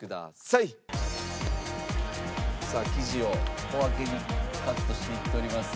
さあ生地を小分けにカットしていっております。